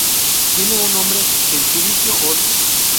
Tiene un nombre gentilicio osco.